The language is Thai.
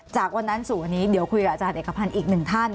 จากวันนั้นสู่วันนี้เดี๋ยวคุยกับอาจารย์เอกพันธ์อีกหนึ่งท่าน